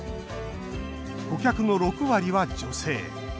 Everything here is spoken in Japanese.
顧客の６割は女性。